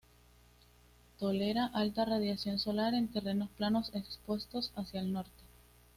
Tolera alta radiación solar en terrenos planos expuestos hacia el norte.